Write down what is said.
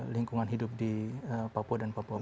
lingkungan hidup di papua dan papua